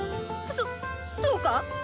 そそうか？